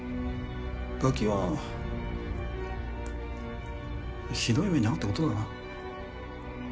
ガキはまあひどい目に遭うってことだな。